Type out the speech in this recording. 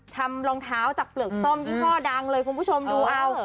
รองเท้าจากเปลือกส้มยี่ห้อดังเลยคุณผู้ชมดูเอา